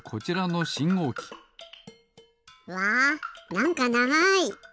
うわなんかながい。